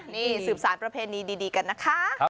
นี่สืบสารประเพณีดีกันนะคะ